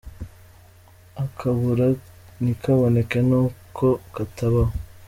Akabura ntikaboneke nuko katabaho.